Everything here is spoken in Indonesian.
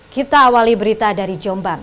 kita awali berita dari jombang